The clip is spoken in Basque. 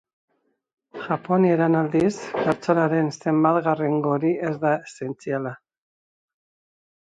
Japonieran, aldiz, pertsonaren zenbatgarrengo hori ez da esentziala.